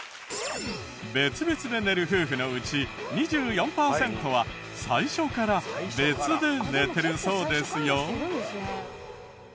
別々で寝る夫婦のうち２４パーセントは最初から別で寝てるそうですよ。